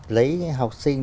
lấy học sinh